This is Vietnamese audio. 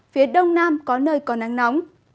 phía đông nam có nơi có nắng nóng